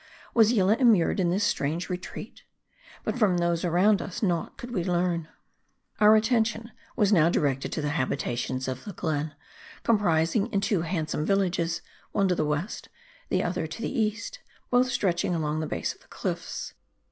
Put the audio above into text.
.*/ Was Yillah immured in this strange retreat ? But from those around us naught could we learn. Our attention was now directed to the habitations of the glen ; comprised in two handsome villages ; one to the west, the other to the east ; both stretching along the base of the cliffs.